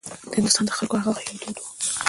د هندوستان د خلکو هغه وخت یو دود و.